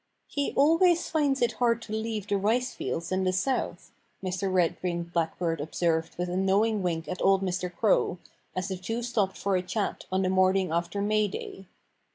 "He always finds it hard to leave the rice fields in the South," Mr. Red winged Blackbird observed with a knowing wink at old Mr. Crow, as the two stopped for a chat on the morning after May Day.